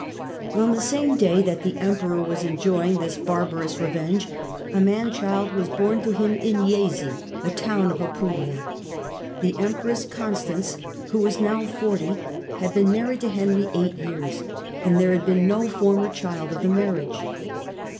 On the same day that the Emperor was enjoying this barbarous revenge a man child was born to him in Jesi, a town of Apulia. The Empress Constance, who was now forty, had been married to Henry eight years, and there had been no former child of the marriage.